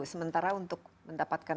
sementara untuk mendapatkan